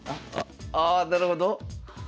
ああなるほど。